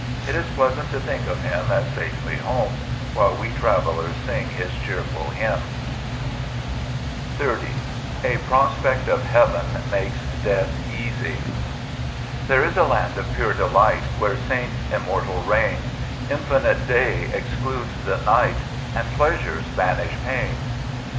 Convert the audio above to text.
It is pleasant to think of him as safely home, while we travelers sing his cheer ful hymn. 30 H prospect of Ibeaven makes 2>eatb £as$. "THERE is a land of pure delight, * Where saints immortal reign ; Infinite day excludes the night, And pleasures banish pain.